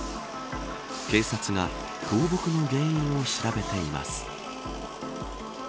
警察が倒木の原因を調べています。